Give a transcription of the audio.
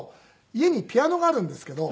家にピアノがあるんですけど。